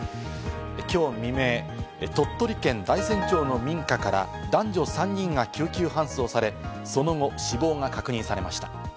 きょう未明、鳥取県大山町の民家から男女３人が救急搬送され、その後、死亡が確認されました。